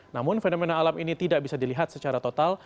namun fenomena alam ini tidak bisa dilihat secara total